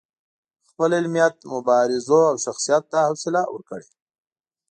خپل علمیت، مبارزو او شخصیت دا حوصله ورکړې.